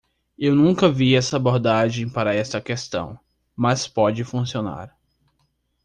Eu nunca vi essa abordagem para esta questão, mas pode funcionar.